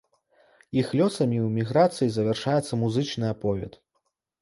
Іх лёсамі ў эміграцыі завяршаецца музычны аповед.